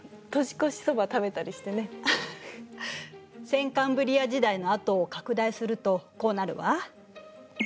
先カンブリア時代のあとを拡大するとこうなるわ。